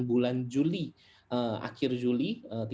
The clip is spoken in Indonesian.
bulan juli akhir juli